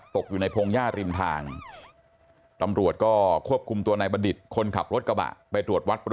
มาตกอยู่ในพงศ์ย่าริมทางตำรวจก็ควบคุมตัวในบัตดิศ